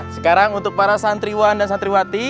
sekarang untuk para santriwan dan santriwati